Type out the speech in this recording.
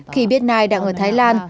khi biết nai đang ở thái lan